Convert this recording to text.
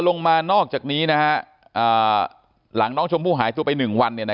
ลงมานอกจากนี้นะหลังน้องชมผู้หายตัวไปหนึ่งวันเนี่ยนะ